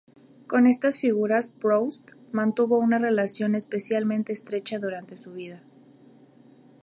Con estas figuras Proust mantuvo una relación especialmente estrecha durante su vida.